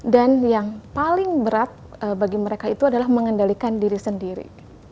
dan yang paling berat bagi mereka itu adalah mengendalikan diri sendiri